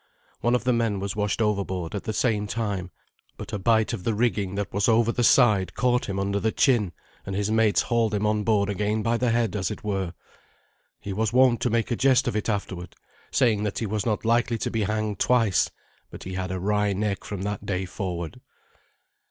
One of the men was washed overboard at the same time, but a bight of the rigging that was over the side caught him under the chin, and his mates hauled him on board again by the head, as it were. He was wont to make a jest of it afterward, saying that he was not likely to be hanged twice, but he had a wry neck from that day forward.